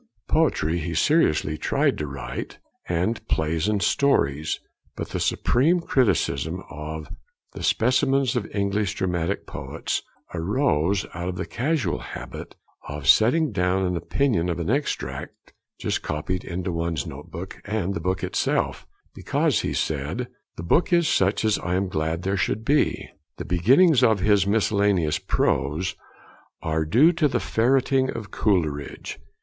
Poetry he seriously tried to write, and plays and stories; but the supreme criticism of the Specimens of English Dramatic Poets arose out of the casual habit of setting down an opinion of an extract just copied into one's note book, and the book itself, because, he said, 'the book is such as I am glad there should be.' The beginnings of his miscellaneous prose are due to the 'ferreting' of Coleridge.